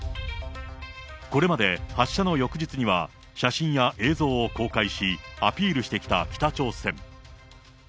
これまで発射の翌日には、写真や映像を公開し、アピールしてきた北朝鮮。